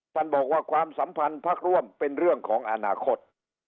ท่านบอกว่าความสัมพันธ์พักร่วมเป็นเรื่องของอนาคต